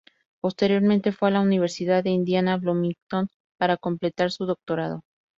Posteriormente fue a la Universidad de Indiana Bloomington para completar su doctorado.